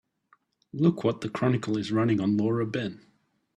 Look what the Chronicle is running on Laura Ben.